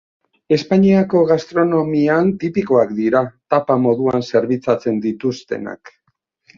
Espainiako gastronomian tipikoak dira, tapa moduan zerbitzatzen dituztenak.